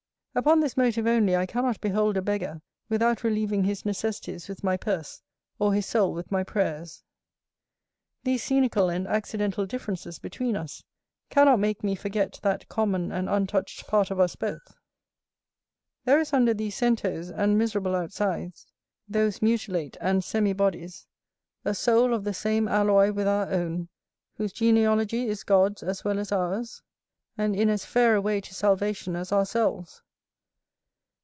Upon this motive only I cannot behold a beggar without relieving his necessities with my purse, or his soul with my prayers. These scenical and accidental differences between us cannot make me forget that common and untoucht part of us both: there is under these centoes and miserable outsides, those mutilate and semi bodies, a soul of the same alloy with our own, whose genealogy is God's as well as ours, and in as fair a way to salvation as ourselves.